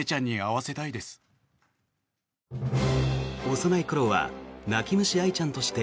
幼い頃は泣き虫愛ちゃんとして